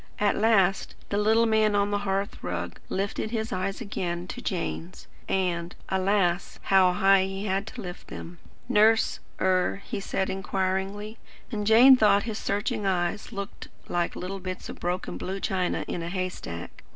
At last the little man on the hearth rug lifted his eyes again to Jane's; and, alas, how high he had to lift them! "Nurse er?" he said inquiringly, and Jane thought his searching eyes looked like little bits of broken blue china in a hay stack.